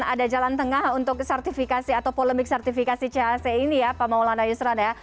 ada jalan tengah untuk sertifikasi atau polemik sertifikasi chc ini ya pak maulana yusran ya